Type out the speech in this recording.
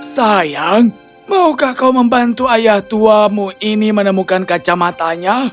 sayang maukah kau membantu ayah tuamu ini menemukan kacamatanya